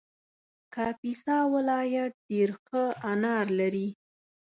کاپیسا ولایت ډېر ښه انار لري